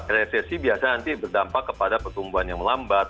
resesi biasanya nanti berdampak kepada pertumbuhan yang melambat